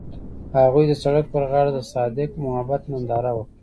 هغوی د سړک پر غاړه د صادق محبت ننداره وکړه.